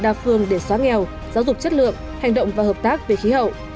đa phương để xóa nghèo giáo dục chất lượng hành động và hợp tác về khí hậu